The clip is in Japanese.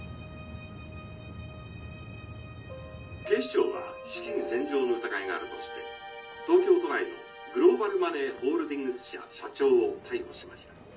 警視庁は資金洗浄の疑いがあるとして東京都内のグローバルマネー・ホールディングス社社長を逮捕しました。